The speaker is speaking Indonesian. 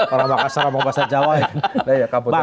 orang orang kasar bahasa jawa ya